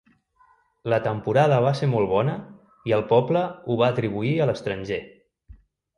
La temporada va ser molt bona i el poble ho va atribuir a l'estranger.